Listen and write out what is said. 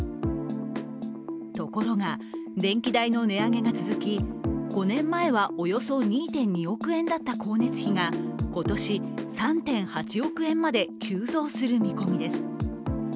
ところが、電気代の値上げが続き５年前はおよそ２．２億円だった光熱費が今年３．８億円まで急増する見込みです。